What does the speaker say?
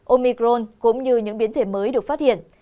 omicron cũng như những biến thể mới được phát hiện